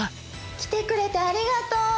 来てくれてありがとう！